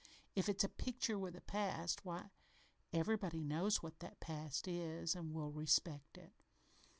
If it's a picture with a past, why, everybody knows what that past is, and will respect it.